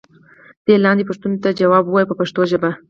دې لاندې پوښتنو ته ځواب و وایئ په پښتو ژبه.